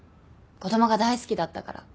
子供が大好きだったから。